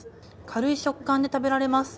軽い食感で食べられます。